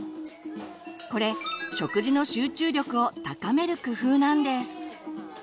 これ食事の集中力を高める工夫なんです。